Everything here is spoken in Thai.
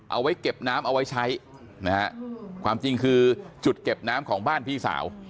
เอาไว้เก็บน้ำเอาไว้ใช้นะฮะความจริงคือจุดเก็บน้ำของบ้านพี่สาว